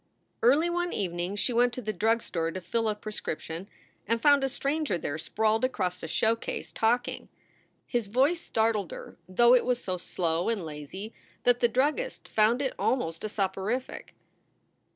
Early one evening she went to the drug store to fill a prescription, and found a stranger there sprawled across a showcase, talking. His voice startled her, though it was so slow and lazy that the druggist found it almost a soporific.